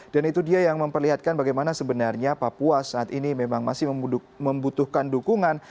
itu dia yang memperlihatkan bagaimana sebenarnya papua saat ini memang masih membutuhkan dukungan